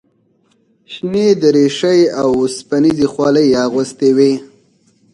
شنې دریشۍ او اوسپنیزې خولۍ یې اغوستې وې.